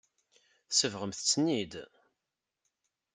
Tsebɣemt-ten-id.